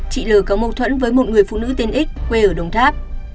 chị l có mâu thuẫn với một người phụ nữ tên x quê ở đồng tháp